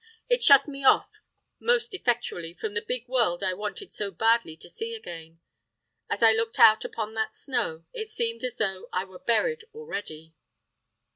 It shut me off most effectually from the big world I wanted so badly to see again. As I looked out upon that snow, it seemed as though I were buried already.